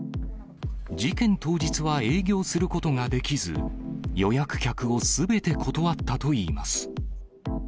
事件当日は営業することができず、予約客をすべて断ったといいます。